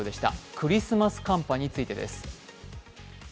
クリスマス寒波についてです。